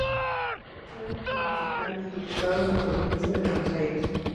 Fue concejal y diputado de la Provincia de Buenos Aires.